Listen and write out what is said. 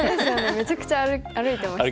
めちゃくちゃ歩いてましたよね。